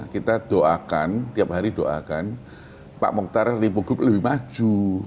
kita doakan tiap hari doakan pak moktar lipo group lebih maju